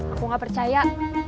aku gak percaya